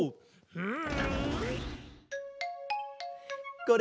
うん。